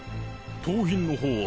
盗品の方は。